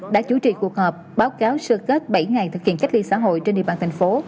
đã chủ trì cuộc họp báo cáo sơ kết bảy ngày thực hiện cách ly xã hội trên địa bàn thành phố